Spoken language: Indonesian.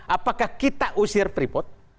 apakah kita usir freeport